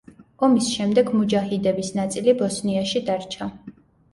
ომის შემდეგ მუჯაჰიდების ნაწილი ბოსნიაში დარჩა.